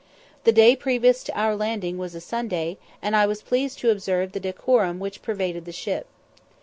The day previous to our landing was a Sunday, and I was pleased to observe the decorum which pervaded the ship.